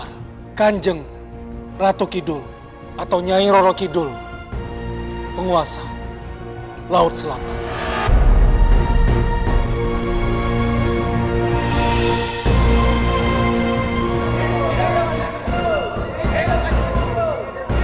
ratu yang adil yang akan menjadi pengayom untuk kita semua